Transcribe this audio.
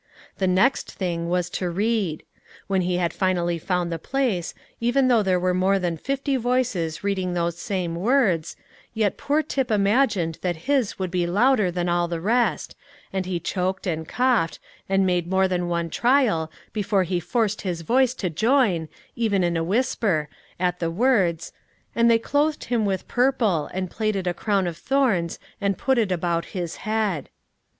The next thing was to read; when he had finally found the place, even though there were more than fifty voices reading those same words, yet poor Tip imagined that his would be louder than all the rest, and he choked and coughed, and made more than one trial before he forced his voice to join, even in a whisper, at the words, "And they clothed Him with purple, and plaited a crown of thorns and put it about His head."